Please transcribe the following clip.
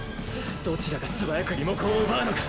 どちらが素早くリモコンを奪うのか？